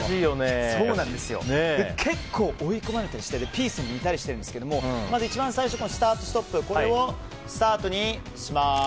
結構追い込まれたりしてピースも似たりしているんですが一番最初スイッチをスタートにします。